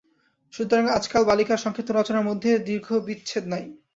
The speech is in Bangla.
সুতরাং আজকাল বালিকার সংক্ষিপ্ত রচনার মধ্যে মধ্যে দীর্ঘ বিচ্ছেদ নাই।